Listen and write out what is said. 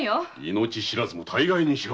命知らずも大概にしろ！